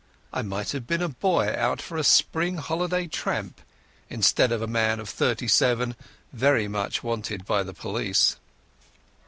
I might have been a boy out for a spring holiday tramp, instead of a man of thirty seven very much wanted by the police.